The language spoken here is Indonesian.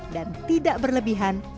dan tidak berlebihan